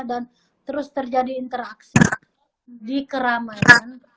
terus terjadi interaksi di keramaian